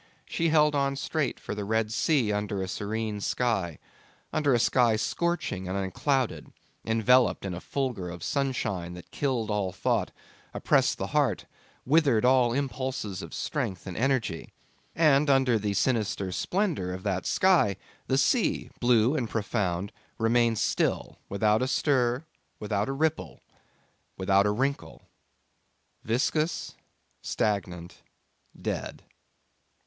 She held on straight for the Red Sea under a serene sky, under a sky scorching and unclouded, enveloped in a fulgor of sunshine that killed all thought, oppressed the heart, withered all impulses of strength and energy. And under the sinister splendour of that sky the sea, blue and profound, remained still, without a stir, without a ripple, without a wrinkle viscous, stagnant, dead.